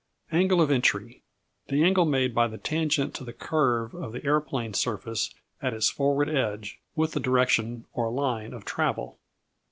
Angle of Entry The angle made by the tangent to the curve of the aeroplane surface at its forward edge, with the direction, or line, of travel.